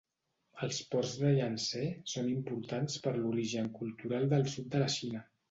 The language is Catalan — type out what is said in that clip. Els ports del Iang-Tsé són importants per l'origen cultural del sud de la Xina.